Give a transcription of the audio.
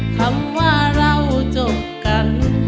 คำว่าเราจบกัน